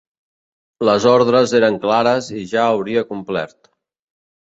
Les ordres eren clares i ja hauria complert.